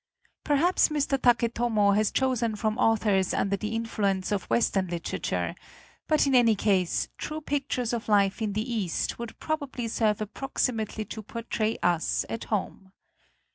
Perhaps Mr. Taketomo has chosen from authors under the influence of Western literature, but in any case true pictures of life in the East would probably serve approximately to por FOREWORD tray us at home.